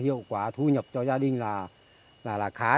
hiệu quả thu nhập cho gia đình là khá